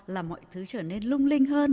là mọi thứ trở nên lung linh hơn